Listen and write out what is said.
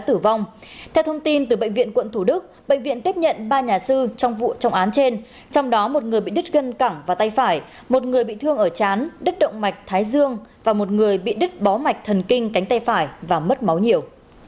theo thông tin từ bệnh viện quận thủ đức bệnh viện tiếp nhận ba nhà sư trong vụ trọng án trên trong đó một người bị đứt cân cẳng và tay phải một người bị thương ở chán đứt động mạch thái dương và một người bị đứt bó mạch thần kinh cánh tay phải và mất máu nhiều